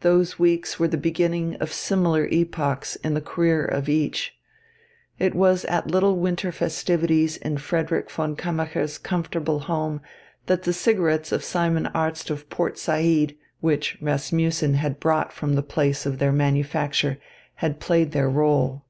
Those weeks were the beginning of similar epochs in the career of each. It was at little winter festivities in Frederick von Kammacher's comfortable home that the cigarettes of Simon Arzt of Port Said, which Rasmussen had brought from the place of their manufacture, had played their rôle.